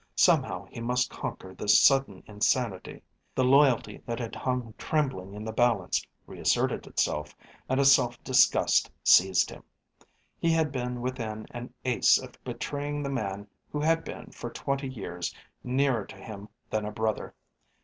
Somehow he must conquer this sudden insanity. The loyalty that had hung trembling in the balance reasserted itself and a self disgust seized him. He had been within an ace of betraying the man who had been for twenty years nearer to him than a brother.